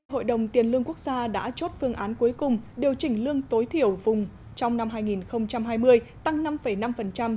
hội đồng tiền lương quốc gia đã chốt phương án cuối cùng điều chỉnh lương tối thiểu vùng trong năm hai nghìn hai mươi tăng năm năm so với năm hai nghìn một mươi chín